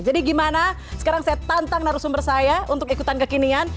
jadi gimana sekarang saya tantang naruh sumber saya untuk ikutan kekinian